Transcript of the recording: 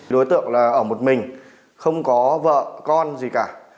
đối tượng là ở một mình không có vợ con gì cả